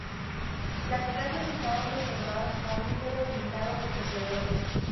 Las clases estaban reservadas a un número limitado de poseedores.